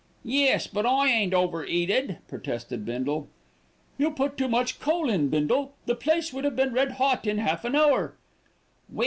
"Yes; but I ain't over'eated," protested Bindle. "You put too much coal in, Bindle; the place would have been red hot in half an hour."